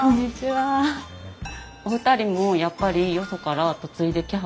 お二人もやっぱりよそから嫁いできはったんですよ。